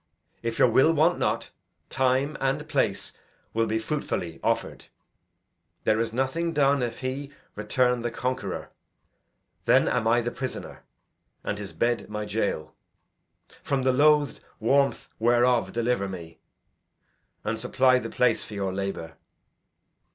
If your will want not, time and place will be fruitfully offer'd. There is nothing done, if he return the conqueror. Then am I the prisoner, and his bed my jail; from the loathed warmth whereof deliver me, and supply the place for your labour.